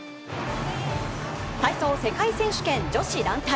体操世界選手権女子団体。